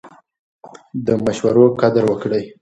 د مشورو قدر وکړئ.